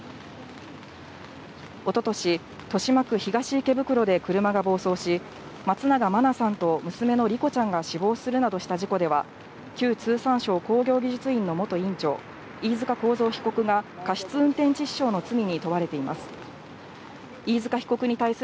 一昨年、豊島区東池袋で車が暴走し、松永真菜さんと娘の莉子ちゃんが死亡するなどした事故では、旧通産省工業技術院の元院長・飯塚幸三被告が過失運転致死傷の罪に問われています。